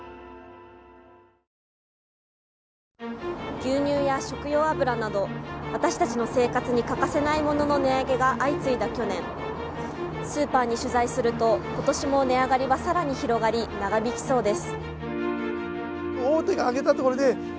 牛乳や食用油など私たちの生活に欠かせないものの値上げが相次いだ去年、スーパーに取材すると今年も値上がりは更に広がり長引きそうです。